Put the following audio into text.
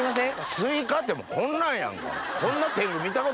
スイカってこんなんやんか。